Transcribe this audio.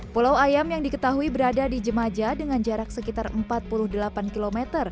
pulau ayam yang diketahui berada di jemaja dengan jarak sekitar empat puluh delapan km